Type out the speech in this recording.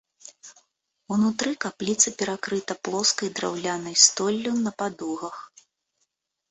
Унутры капліца перакрыта плоскай драўлянай столлю на падугах.